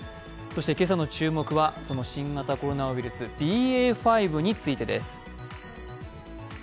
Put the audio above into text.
今朝の注目は、新型コロナウイルスＢＡ．５についてです。